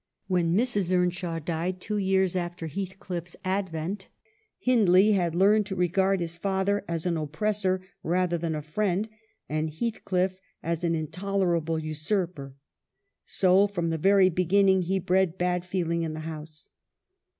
When Mrs. Earnshaw died, two years after Heathcliff's advent, Hindley had learned to regard his father as an oppressor rather than a friend, and Heathcliff as an intolerable usurper. So, from the very beginning, he bred bad feeling in the house.